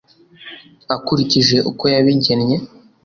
akurikije uko yabigennye